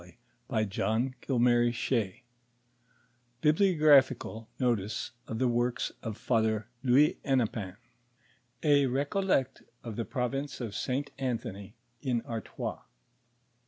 i .1i ' ■■•H, II' ■M BIBLIOGRAPHICAL NOTICE m THE WORKS OF FATHER LOUIS HENNEPIN, m A. RECOLLECT OF THE PROVINCE OF ST. ANTHONY, IN ARTOIS.